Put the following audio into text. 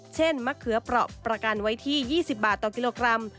มะเขือเปราะประกันไว้ที่๒๐บาทต่อกิโลกรัม